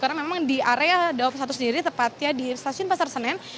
karena memang di area dawab satu sendiri tepatnya di stasiun pasar senen